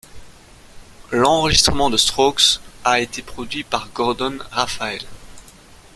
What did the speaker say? L'enregistrement des Strokes a été produit par Gordon Raphael.